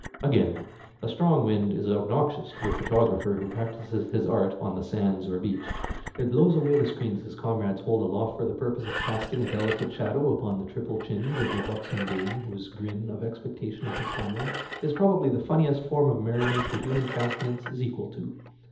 Again, a strong wind is obnoxious to the photographer who practises his art on the sands or beach. It blows away the screens his comrades hold aloft for the purpose of casting a delicate shadow upon the triple chins of the buxom dame whose grin of expectation at the camera is probably the funniest form of merriment the human countenance is equal to.